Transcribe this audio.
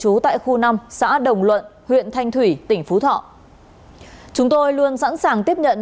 chú tại khu năm xã đồng luận huyện thanh thủy tỉnh phú thọ chúng tôi luôn sẵn sàng tiếp nhận